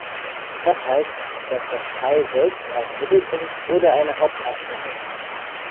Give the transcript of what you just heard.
Das heißt, dass das Teil selbst einen Mittelpunkt oder eine Hauptachse hat.